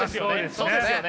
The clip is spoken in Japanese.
そうですよね。